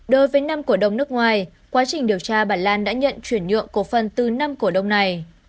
đối với năm cổ đông nước ngoài quá trình điều tra bà lan đã nhận chuyển nhượng cổ phần từ năm cổ đông này